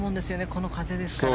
この風ですから。